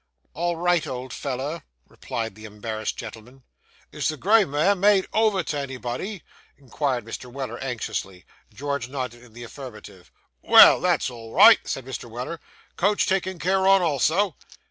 'All right, old feller,' replied the embarrassed gentleman. 'Is the gray mare made over to anybody?' inquired Mr. Weller anxiously. George nodded in the affirmative. 'Vell, that's all right,' said Mr. Weller. 'Coach taken care on, also?